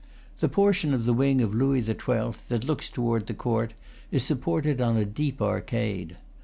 The portion of the wing of Louis XII. that looks toward the court is supported on a deep arcade.